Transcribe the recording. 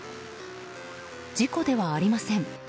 事故ではありません。